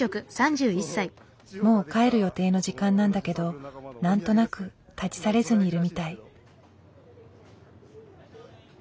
もう帰る予定の時間なんだけど何となく立ち去れずにいるみたい。